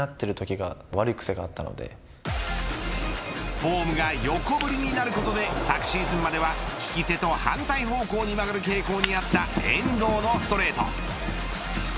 フォームが横振りになることで昨シーズンまでは利き手と反対方向に曲がる傾向にあった遠藤のストレート